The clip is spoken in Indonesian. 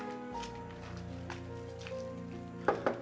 dina mau makan roti coklat